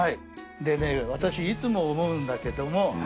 でね私いつも思うんだけども。